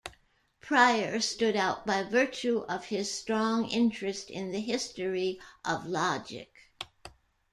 Prior stood out by virtue of his strong interest in the history of logic.